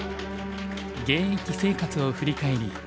現役生活を振り返り